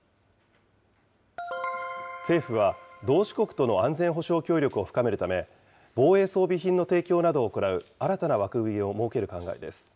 政府は、同志国との安全保障協力を深めるため、防衛装備品の提供などを行う新たな枠組みを設ける考えです。